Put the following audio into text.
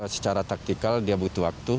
secara taktikal dia butuh waktu